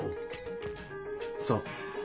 そう。